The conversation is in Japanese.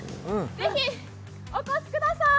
ぜひお越しください。